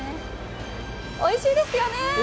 おいしいですよね。